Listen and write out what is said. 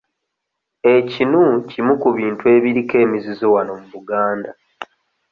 Ekinu kimu ku bintu ebiriko emizizo wano mu Buganda.